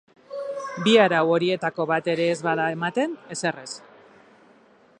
Bi arau horietako bat ere ez bada ematen, ezer ez.